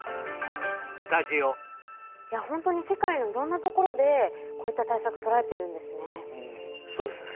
いやほんとに世界のいろんなところでこういった対策とられてるんですね。